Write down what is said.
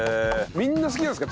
みんな好きなんですか？